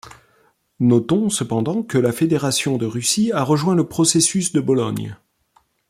Notons cependant que la Fédération de Russie a rejoint le processus de Bologne.